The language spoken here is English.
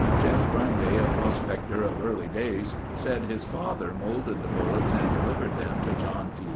Jeff Grundy, a prospector of early days, said his father molded the bullets and delivered them to John D.